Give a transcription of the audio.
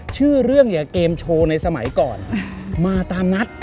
ชื่อเรื่องเนี่ยเกมโชว์ในสมัยก่อนมาตามนัด